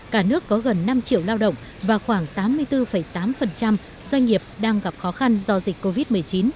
cả nước có gần năm triệu lao động và khoảng tám mươi bốn tám doanh nghiệp đang gặp khó khăn do dịch covid một mươi chín